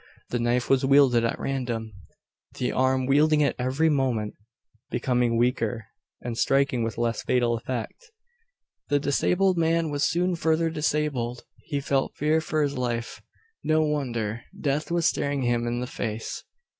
The knife was wielded at random; the arm wielding it every moment becoming weaker, and striking with less fatal effect. The disabled man was soon further disabled. He felt fear for his life. No wonder death was staring him in the face.